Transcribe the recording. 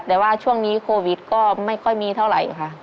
แต่ว่าช่วงนี้โควิดก็ไม่ค่อยมีเท่าไหร่ค่ะ